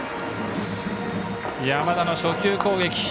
山田の初球攻撃。